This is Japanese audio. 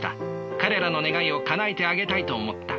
彼らの願いをかなえてあげたいと思った。